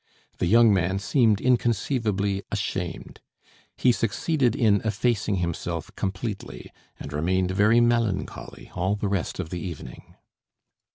The young man seemed inconceivably ashamed. He succeeded in effacing himself completely, and remained very melancholy all the rest of the evening.